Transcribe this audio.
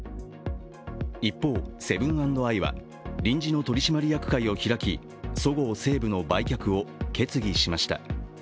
一方、セブン＆アイは臨時の取締役会を開きそごう・西武の売却を決議しました。